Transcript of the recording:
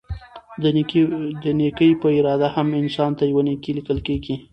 د نيکي په اراده هم؛ انسان ته يوه نيکي ليکل کيږي